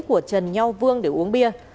của trần nho vương để uống bia